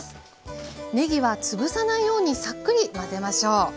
ねぎは潰さないようにサックリ混ぜましょう。